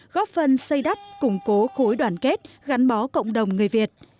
góp phần xây đắp củng cố khối đoàn kết gắn bó cộng đồng người việt